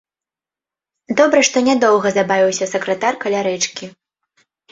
Добра што не доўга забавіўся сакратар каля рэчкі.